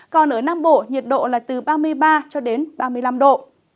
còn ở nam bộ nhiệt độ là từ ba mươi ba cho đến ba mươi năm độ